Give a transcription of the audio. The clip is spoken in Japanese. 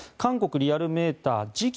リアルメーター次期